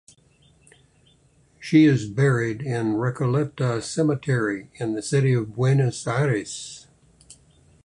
She is buried in Recoleta Cemetery in the city of Buenos Aires.